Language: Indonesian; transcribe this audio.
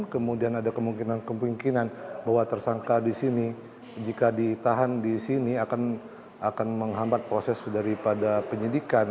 kemudian ada kemungkinan kemungkinan bahwa tersangka di sini jika ditahan di sini akan menghambat proses daripada penyidikan